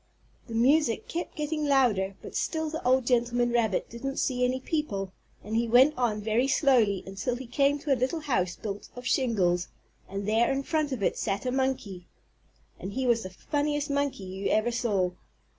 The music kept getting louder but still the old gentleman rabbit didn't see any people, and he went on very slowly until he came to a little house built of shingles, and there in front of it sat a monkey. And he was the funniest monkey you ever saw.